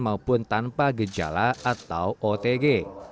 maupun tanpa gejala atau otg